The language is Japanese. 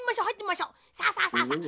さあさあさあさあ。